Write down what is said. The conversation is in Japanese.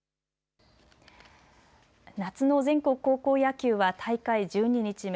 夏の全国高校野球は大会１２日目。